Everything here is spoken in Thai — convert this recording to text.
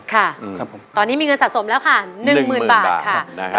ค่ะครับผมตอนนี้มีเงินสะสมแล้วค่ะหนึ่งหมื่นบาทค่ะหนึ่งหมื่นบาท